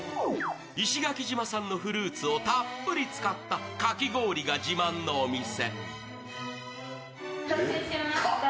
石垣島産のフルーツをたっぷり使ったかき氷が自慢のお店。